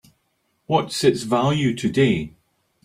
What's its value today?